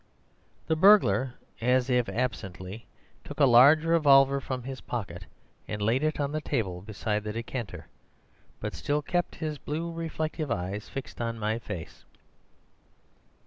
"The burglar, as if absently, took a large revolver from his pocket and laid it on the table beside the decanter, but still kept his blue reflective eyes fixed on my face.